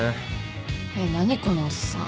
えっ何このおっさん。